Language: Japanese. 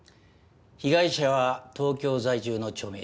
被害者は東京在住の著名人だ。